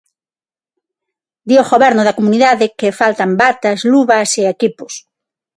Di o goberno da comunidade que faltan batas, luvas e equipos.